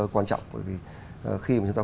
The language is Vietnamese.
quan trọng bởi vì khi mà chúng ta